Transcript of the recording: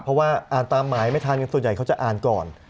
เพราะว่าอ่านตามหมายไม่ทันส่วนใหญ่เขาจะอ่านก่อน